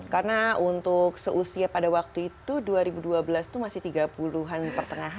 karena untuk seusia pada waktu itu dua ribu dua belas itu masih tiga puluh an pertengahan